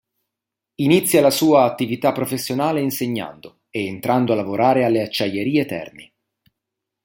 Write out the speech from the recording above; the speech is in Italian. Inizia la sua attività professionale insegnando e entrando a lavorare alle Acciaierie Terni.